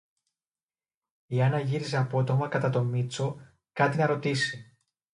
Η Άννα γύρισε απότομα κατά τον Μήτσο, κάτι να ρωτήσει